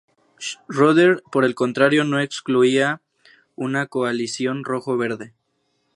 Schröder, por el contrario, no excluía una coalición rojo-verde.